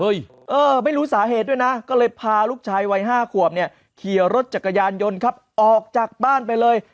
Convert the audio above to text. ไม่รู้สาเหตุด้วยนะก็เลยพาลูกชายวัย๕ขวบเนี่ยขี่รถจักรยานยนต์ครับออกจากบ้านไปเลย